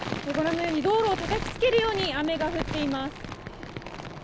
道路をたたきつけるように雨が降っています。